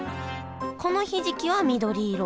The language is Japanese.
このひじきは緑色。